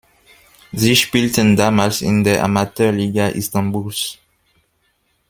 Sie spielten damals in der Amateurliga Istanbuls.